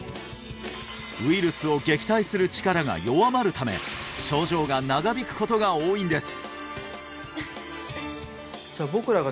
ウイルスを撃退する力が弱まるため症状が長引くことが多いんです